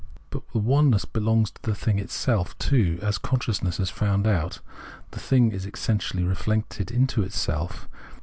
But the oneness belongs to the thing itself, too, as consciousness has found out ; the thing is essentially reflected into self.